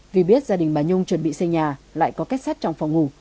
vì biết gia đình bà nhung chuẩn bị xây nhà lại có kết sát trong phòng ngủ